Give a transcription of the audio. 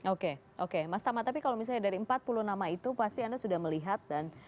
oke oke mas tama tapi kalau misalnya dari empat puluh nama itu pasti anda sudah melihat dan